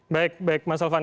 baik baik mas alvan